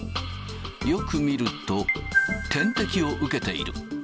よく見ると、点滴を受けている。